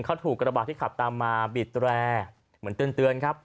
เขาถูกกระบาดที่ขับตามมาบีดแร่เหมือนเตือนครับ